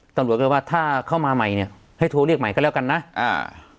ตำรวจก็ว่าถ้าเข้ามาใหม่เนี้ยให้โทรเรียกใหม่ก็แล้วกันนะอ่า